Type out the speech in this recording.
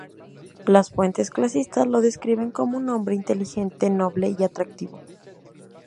Las fuentes clásicas lo describen como un hombre inteligente, noble y atractivo.